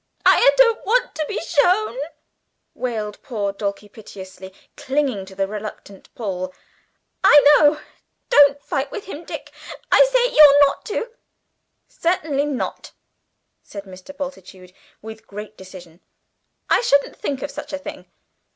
"I don't want to be shown," wailed poor Dulcie piteously, clinging to the reluctant Paul; "I know. Don't fight with him, Dick. I say you're not to." "Certainly not!" said Mr. Bultitude with great decision. "I shouldn't think of such a thing!"